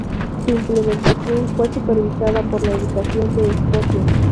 Su implementación fue supervisada por la Educación de Escocia.